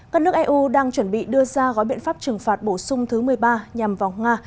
các nước eu đang chuẩn bị đưa ra gói biện pháp trừng phạt bổ sung thứ một mươi ba nhằm vào nga